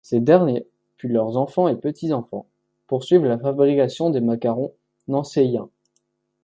Ces derniers, puis leurs enfants et petits-enfants, poursuivent la fabrication des macarons nancéiens.